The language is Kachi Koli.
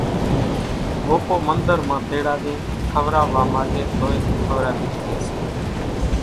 زو ڀوپو منۮر مان تيڙاوين کوراوا ماڳي توئي کوراوي ۿڳي سي۔